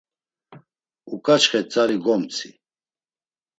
Uǩaçxe tzari gomtzi.